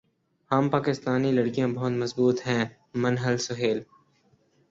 ہم پاکستانی لڑکیاں بہت مضبوط ہیں منہل سہیل